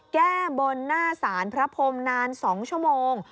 แก้บนหน้าสารพระพรมนาน๒ชั่วโมง